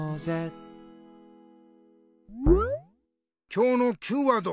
今日のＱワード